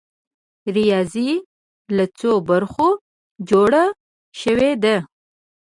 ریاضي له څو برخو جوړه شوې ده؟